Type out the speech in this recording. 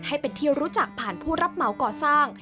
ให้เป็นที่รู้จักผ่านผู้รับเหมาก่อสร้าง